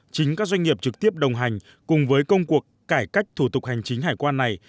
chính các doanh nghiệp trực tiếp đồng hành cùng với công cuộc cải cách thủ tục hành chính hải quan này